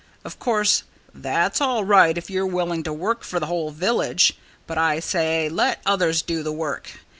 Of course, that's all right if you're willing to work for the whole village. But I say, let others do the work!